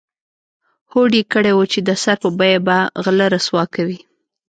هوډ یې کړی و چې د سر په بیه به غله رسوا کوي.